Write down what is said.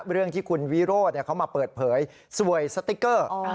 เรื่องที่คุณวิโรธเขามาเปิดเผยสวยสติ๊กเกอร์